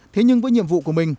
thế nhưng với nhiệm vụ của mình